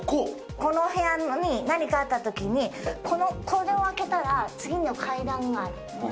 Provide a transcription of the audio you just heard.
この部屋に何かあったときに、この、これを開けたら、次の階段がある。